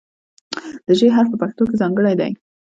د "ژ" حرف په پښتو کې ځانګړی دی.